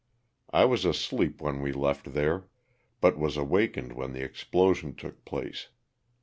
I was asleep when we left there, but was awakened when the explosion took place.